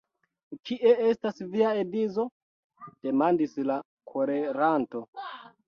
Kie estas via edzo!? demandis la koleranto.